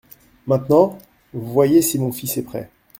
Maintenant, voyez si mon fils est prêt ?